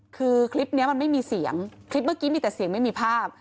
คือคลิปนี้มันไม่มีเสียงคลิปเมื่อกี้มีแต่เสียงไม่มีภาพ